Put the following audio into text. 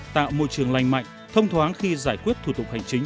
tạo môi trường lành mạnh thông thoáng khi giải quyết thủ tục hành chính